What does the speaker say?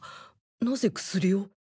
なぜ薬を？